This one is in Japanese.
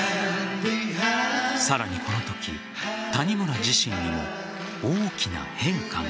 さらに、このとき谷村自身にも大きな変化が。